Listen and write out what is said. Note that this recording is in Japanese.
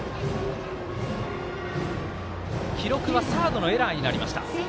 記録はサードのエラーになりました。